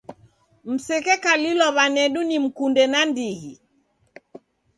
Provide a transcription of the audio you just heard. Msekekalilw'a w'anedu nimkunde nandighi.